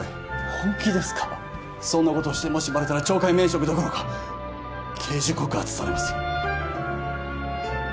本気ですかそんなことをしてもしバレたら懲戒免職どころか刑事告発されますよ